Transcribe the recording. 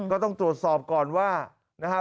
ก็ต้องตรวจสอบก่อนว่านะครับ